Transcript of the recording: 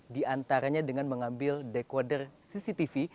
diantaranya dengan mengambil dekoder cctv